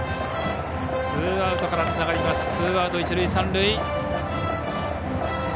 ツーアウトからつながってツーアウト、一塁三塁。